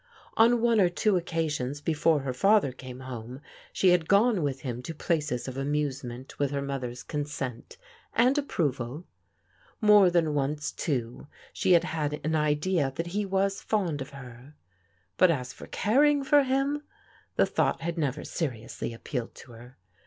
On one or two occasions before her father came home, she had gone with him to places of amusement with her mother's consent and approval. More than once, too, she had had an idea that he was fond of her. But as for caring for him, the thought had never seriously appealed to her.